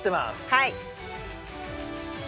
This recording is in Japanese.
はい。